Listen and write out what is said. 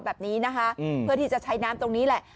แบบนี้นะคะเพื่อที่จะใช้น้ำตรงนี้แหละ